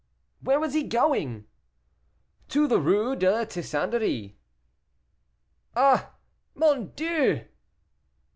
"Where was he going?" "To the Rue de la Tixanderie." "Ah! mon Dieu!"